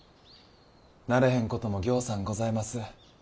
慣れへんこともぎょうさんございます。